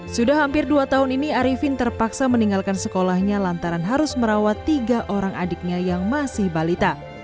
sudah hampir dua tahun ini arifin terpaksa meninggalkan sekolahnya lantaran harus merawat tiga orang adiknya yang masih balita